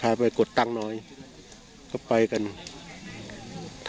อย่าสำคัญแค่ส